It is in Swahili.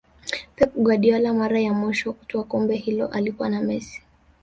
pep Guardiola mara ya mwisho kutwaa kombe hilo alikuwa na messi